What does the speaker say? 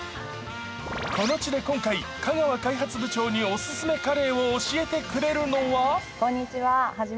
この地で今回、香川開発部長にお勧めカレーを教えてくれるのは。